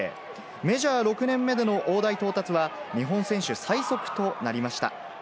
メジャー６年目での大台到達は日本選手最速となりました。